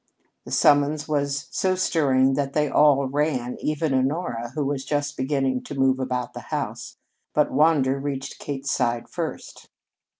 The summons was so stirring that they all ran, even Honora, who was just beginning to move about the house, but Wander reached Kate's side first.